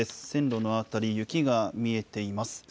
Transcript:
線路の辺り、雪が見えています。